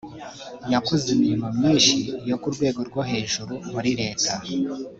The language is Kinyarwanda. yakoze imirimo myinshi yo ku rwego rwo hejuru muri Leta